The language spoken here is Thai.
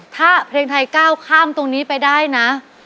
ถ้าเพลงไทยก้าวข้ามตรงนี้ไปได้นะ